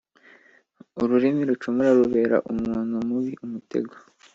ururimi rucumura rubera umuntu mubi umutego,